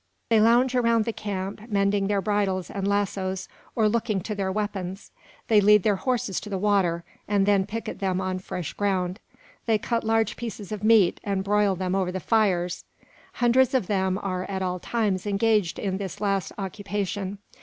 They lounge around the camp, mending their bridles and lassos, or looking to their weapons; they lead their horses to the water, and then picket them on fresh ground; they cut large pieces of meat, and broil them over the fires. Hundreds of them are at all times engaged in this last occupation.